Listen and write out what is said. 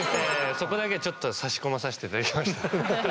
そこだけちょっと差し込まさして頂きました。